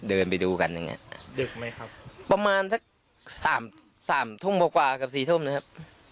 เดินไปดูกันอย่างเงี้ยดึกไหมครับประมาณสักสามสามทุ่มกว่ากว่ากับสี่ทุ่มนะครับ